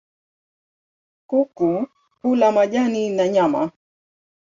Kuku hula majani na nyama.